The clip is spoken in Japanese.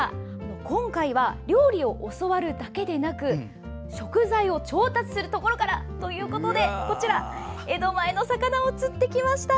今回は、料理を教わるだけでなく食材を調達するところから！ということで江戸前の魚を釣ってきました。